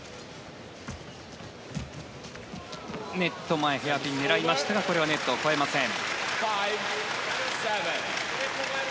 ネット前ヘアピンを狙いましたがこれはネットを越えません。